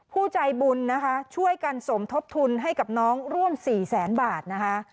ผู้ใจบุญนะคะช่วยกันสมทบทุนให้กับน้องร่วมสี่แสนบาทนะคะ